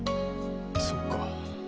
そうか。